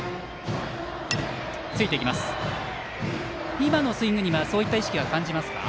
今のスイングにはそういった意識は感じますか。